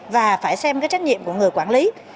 và phải xem cái trách nhiệm của người quản lý